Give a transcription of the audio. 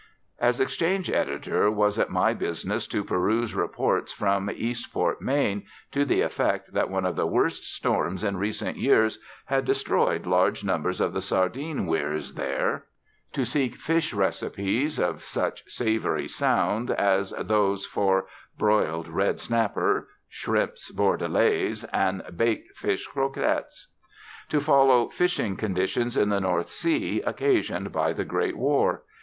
As exchange editor was it my business to peruse reports from Eastport, Maine, to the effect that one of the worst storms in recent years had destroyed large numbers of the sardine weirs there. To seek fish recipes, of such savoury sound as those for "broiled redsnapper," "shrimps bordelaise," and "baked fish croquettes." To follow fishing conditions in the North Sea occasioned by the Great War.